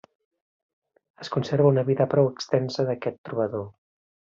Es conserva una vida prou extensa d'aquest trobador.